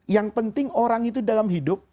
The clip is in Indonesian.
yang penting orang itu dalam hidup